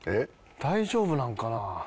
大丈夫なんかな？